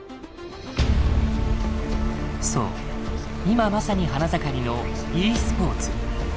今まさに花盛りのｅスポーツ。